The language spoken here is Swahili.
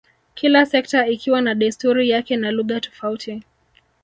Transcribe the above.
kila sekta ikiwa na desturi yake na lugha tofauti